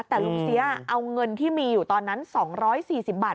แต่ลุงเสียเอาเงินที่มีอยู่ตอนนั้น๒๔๐บาท